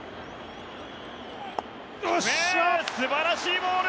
素晴らしいボール！